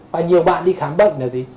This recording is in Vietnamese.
và nhiều bạn đi khám bệnh là gì